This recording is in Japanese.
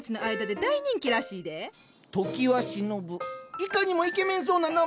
いかにもイケメンそうな名前。